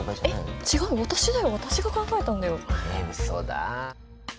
えうそだ！